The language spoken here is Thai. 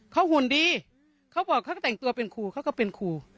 เค้าหุ่นดีเค้าบอกเค้าแต่งตัวเป็นครูเค้าก็เป็นครู